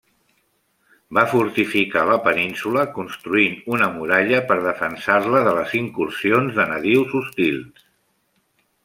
Va fortificar la península, construint una muralla per defensar-la de les incursions de nadius hostils.